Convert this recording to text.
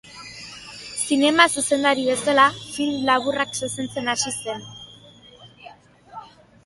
Zinema zuzendari bezala film laburrak zuzentzen hasi zen.